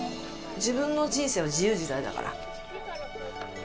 自分の人生は自由自在だから。